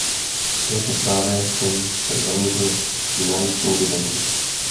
V této zprávě jsem se zaměřil i na lidskou dimenzi.